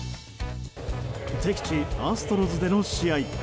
敵地アストロズでの試合。